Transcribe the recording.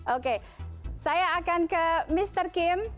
oke saya akan ke mr kim